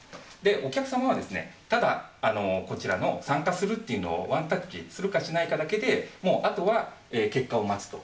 お客様はただ、こちらの参加するっていうのをワンタッチするかしないかだけで、もうあとは結果を待つと。